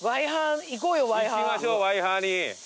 行きましょうワイハに。